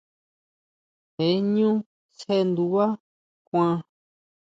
Je ʼñú sjendubá kuan.